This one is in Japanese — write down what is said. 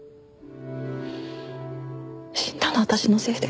死んだの私のせいで。